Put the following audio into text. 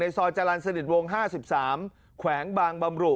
ซอยจรรย์สนิทวง๕๓แขวงบางบำรุ